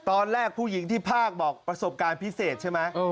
ตอนแรกผู้หญิงที่ภาคบอกประสบการณ์พิเศษใช่ไหม